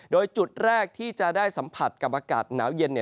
โดยจุดแรกที่จะได้สัมผัสกับอากาศหนาวเย็น